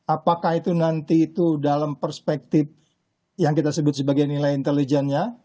apakah itu nanti itu dalam perspektif yang kita sebut sebagai nilai intelijennya